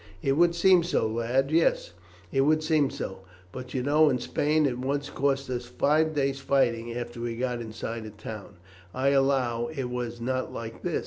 "It would seem so, lad; yes, it would seem so. But you know in Spain it once cost us five days' fighting after we got inside a town. I allow it was not like this.